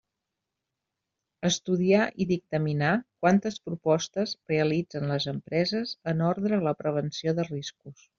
Estudiar i dictaminar quantes propostes realitzen les empreses en ordre a la prevenció de riscos.